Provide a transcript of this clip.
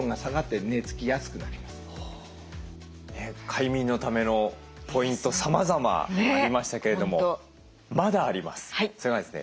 快眠のためのポイントさまざまありましたけれどもまだあります。